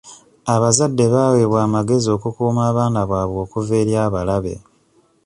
Abazadde baweebwa amagezi okukuuma abaana baabwe okuva eri abalabe.